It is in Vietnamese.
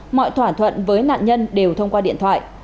mọi thỏa thuận với nạn nhân đều thông qua điện thoại